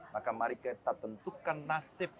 maka mari kita tentukan nasib